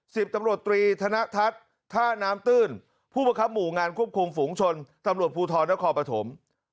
สิบตำรวจตรีธนทัศน์ท่าน้ำตื้นผู้ประคับหมู่งานควบคุมฝูงชนตำรวจภูทรนครปฐม